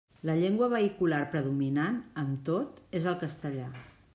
La llengua vehicular predominant, amb tot, és el castellà.